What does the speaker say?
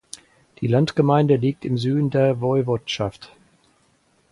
Die Landgemeinde liegt im Süden der Woiwodschaft.